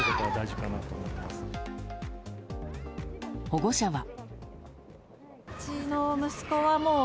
保護者は。